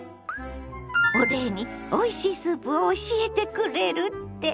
お礼においしいスープを教えてくれるって？